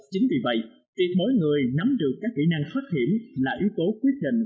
chính vì vậy việc mỗi người nắm được các kỹ năng thoát hiểm là yếu tố quyết định